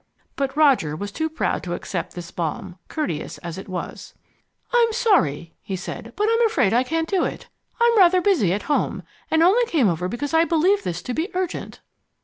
But Roger was too proud to accept this balm, courteous as it was. "I'm sorry," he said, "but I'm afraid I can't do it. I'm rather busy at home, and only came over because I believed this to be urgent."